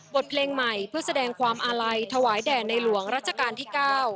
บทเพลงใหม่เพื่อแสดงความอาลัยถวายแด่ในหลวงรัชกาลที่๙